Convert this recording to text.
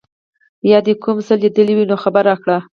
یا دي کوم څه لیدلي وي نو خبر راکړه.